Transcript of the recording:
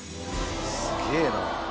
すげえな。